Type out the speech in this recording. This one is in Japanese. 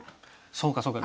そうかそうか。